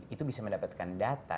itu bisa mendapatkan data